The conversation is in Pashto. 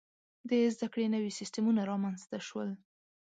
• د زده کړې نوي سیستمونه رامنځته شول.